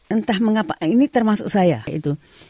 entah mengapa ini termasuk saya itu